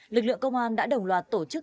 lực lượng công an đã đồng loạt tổ chức